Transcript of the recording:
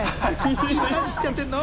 何しちゃってんの？